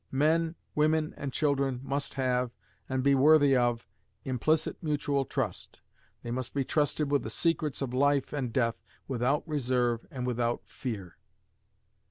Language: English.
Men, women, and children must have, and be worthy of, implicit mutual trust. They must be trusted with the secrets of life and death without reserve and without fear.